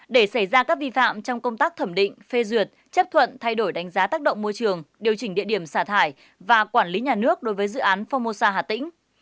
để xảy ra các vi phạm trong công tác thẩm định phê duyệt chấp thuận thay đổi đánh giá tác động môi trường điều chỉnh địa điểm xả thải và quản lý nhà nước đối với dự án formosa hà tĩnh